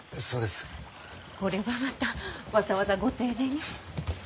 これはまたわざわざご丁寧に。